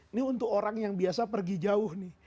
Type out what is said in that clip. ini untuk orang yang biasa pergi jauh nih